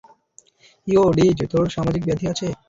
ইও, ডিজ, তোর সামাজিক ব্যাধি আছে?